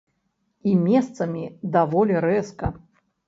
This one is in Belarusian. І месцамі даволі рэзка.